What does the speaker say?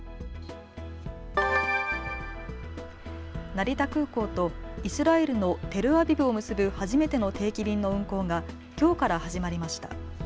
成田空港とイスラエルのテルアビブを結ぶ初めての定期便の運航がきょうから始まりました。